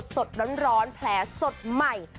สดร้อนแผลสดใหม่